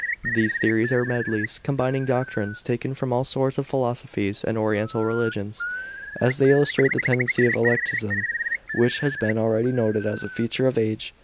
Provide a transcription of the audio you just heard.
These theories are medleys, combining doctrines taken from all sorts of philosophies and oriental religions; and they illustrate the tendency to Eclecticism, which has been already noticed as a feature of the age.